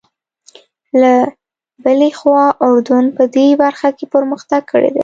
له بلې خوا اردن په دې برخه کې پرمختګ کړی دی.